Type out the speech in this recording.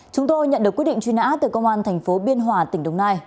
chúng tôi nhận được quyết định truy nã từ công an tp biên hòa tỉnh đồng nai